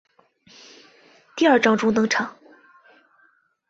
第二章中登场。